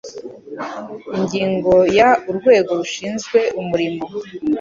Ingingo ya Urwego rushinzwe umurimo